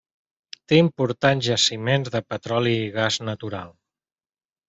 Té importants jaciments de petroli i gas natural.